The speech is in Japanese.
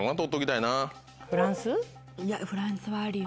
いやフランスはあるよ。